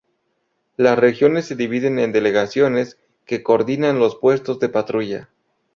Las regiones se dividen en "delegaciones", que coordinan los puestos de patrulla.